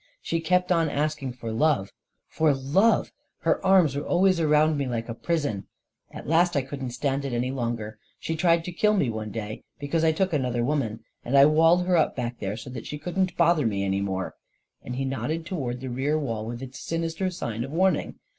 " She kept on asking for love — for love 1 Her arms were always around me like a prison ! At last I couldn't stand it any longer — she tried to kill me, one day, because I took another woman; and I walled her up back there, so she couldn't bother me any more," and he nodded toward the rear wall, with its sinister sign of warning.